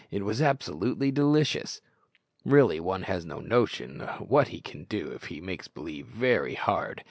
It was absolutely delicious! Really one has no notion what he can do if he makes believe very hard.